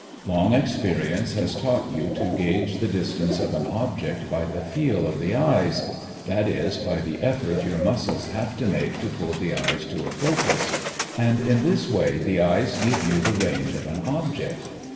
Long experience has taught you to gage the distance of an object by the feel of the eyes that is, by the effort your muscles have to make to pull the eyes to a focus and in this way the eyes give you the range of an object.